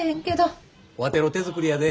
わての手作りやで。